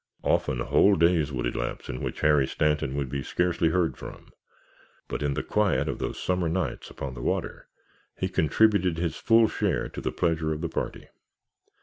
Often whole days would elapse in which Harry Stanton would be scarcely heard from, but in the quiet of those summer nights upon the water he contributed his full share to the pleasure of the party.